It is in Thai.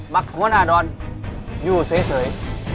มักควรอาดรอยู่เสียเสย